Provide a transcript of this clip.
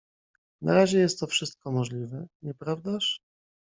"Na razie jest to wszystko możliwe, nieprawdaż?"